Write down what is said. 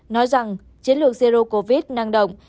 nói rằng chiến lược zero covid năng động